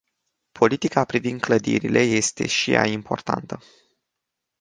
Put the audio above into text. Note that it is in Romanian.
Politica privind clădirile este și ea importantă.